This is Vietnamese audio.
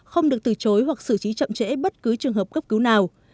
không được từ chối hoặc xử trí chậm trễ bất cứ trường hợp cấp cứu nào